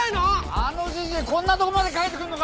あのジジイこんなとこまでかけてくんのか。